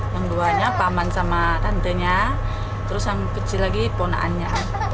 yang duanya paman sama tantenya terus yang kecil lagi ponaannya